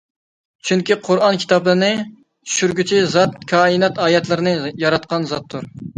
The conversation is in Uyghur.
چۈنكى قۇرئان كىتابىنى چۈشۈرگۈچى زات كائىنات ئايەتلىرىنى ياراتقان زاتتۇر.